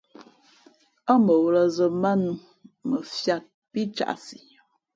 Ά bαwᾱlᾱ zᾱ mbát nnǔ mα fiāt pí caʼsi.